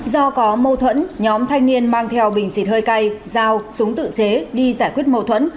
do có mâu thuẫn nhóm thanh niên mang theo bình xịt hơi cay dao súng tự chế đi giải quyết mâu thuẫn